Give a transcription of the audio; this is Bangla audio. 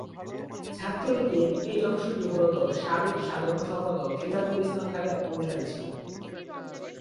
ছাত্রলীগের এই অংশটি মূলত সাবেক সাধারণ সম্পাদক সিরাজুল ইসলাম খানের অনুসারী ছিল।